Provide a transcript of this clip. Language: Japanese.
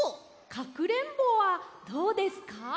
かくれんぼはどうですか？